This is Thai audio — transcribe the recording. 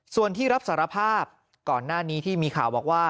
ส่วนที่รับสารภาพก่อนหน้านี้ที่มีข่าวบอกว่า